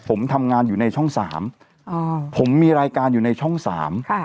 ผมทำงานอยู่ในช่องสามอ่าผมมีรายการอยู่ในช่องสามค่ะ